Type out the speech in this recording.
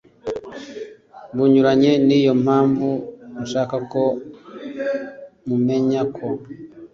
bunyuranye Ni yo mpamvu nshaka ko mumenya ko